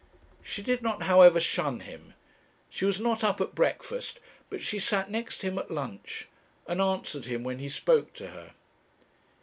She did not, however, shun him. She was not up at breakfast, but she sat next to him at lunch, and answered him when he spoke to her.